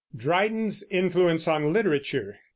DRYDEN'S INFLUENCE ON LITERATURE.